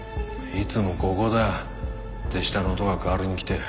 いつもここで手下の男が代わりに来て。